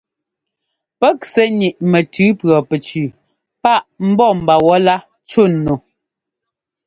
Pɛ́k sɛ́ ńniꞌ mɛtʉ pʉɔpɛcu páꞌ ḿbɔ́ mba wɔ̌lá cú nu.